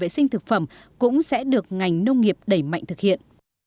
vệ sinh thực phẩm cũng sẽ được ngành nông nghiệp đẩy mạnh thực hiện